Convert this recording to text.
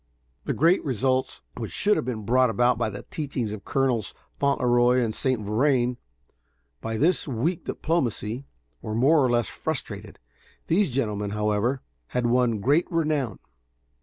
The great results which should have been brought about by the teachings of Colonels Fauntleroy and St. Vrain, by this weak diplomacy, were more or less frustrated. These gentlemen, however, had won great renown.